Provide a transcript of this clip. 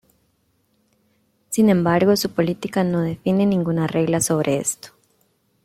Sin embargo su política no define ninguna regla sobre esto.